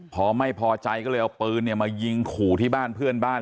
พอไม่พอใจก็เลยเอาปืนมายิงขู่ที่บ้านเพื่อนบ้าน